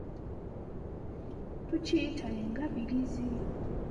Tukiyita engabirizi.